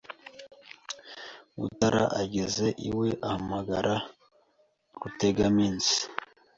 Mutara ageze iwe ahamagara Rutegaminsi